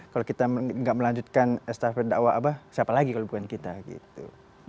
kalau kita nggak melanjutkan ustadz pendakwah abah siapa lagi kalau bukan kita gitu